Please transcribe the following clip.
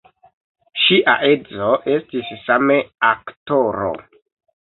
Ŝia edzo estis same aktoro.